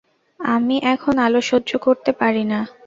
আমি এখন আলো সহ্য করতে পারি না।